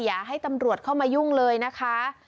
อย่าให้ตำรวจเข้ามายุ่งเลยนะคะ